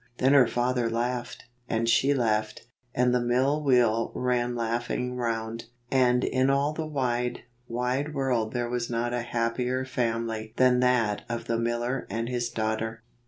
Then her father laughed, and she laughed, and the mill wheel ran laughing round, and in all the wide, wide world there was not a happier family than that of the miller and his daughter.